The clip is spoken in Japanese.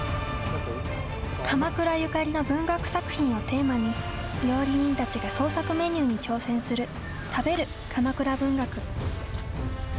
鎌倉ゆかりの文学作品をテーマに料理人たちが創作メニューに挑戦する「食べる！鎌倉文学」。